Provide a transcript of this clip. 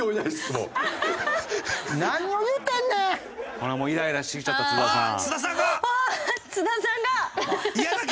ほらイライラしてきちゃった津田さん。